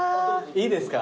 いいですか？